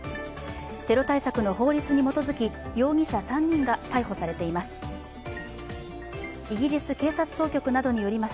テロ対策の法律に基づき、容疑者３人が逮捕されています。